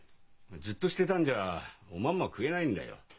じっとしてたんじゃおまんま食えないんだよ。